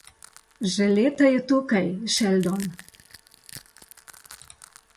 Že leta je tukaj, Sheldon.